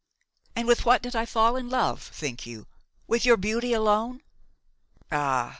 And with what did I fall in love, think you? with your beauty alone? Ah!